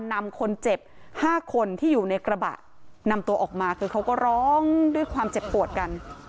นำคนเจ็บ๕คนที่อยู่ในกระบะนำตัวออกมาคือเขาก็ร้องด้วยความเจ็บปวดกัน